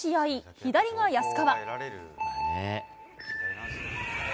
左が安川。